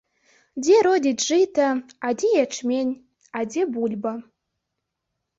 Дзе родзіць жыта, а дзе ячмень, а дзе бульба.